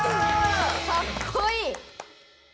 かっこいい。